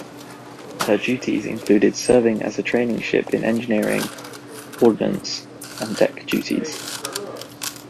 Her duties included serving as a training ship in engineering, ordnance, and deck duties.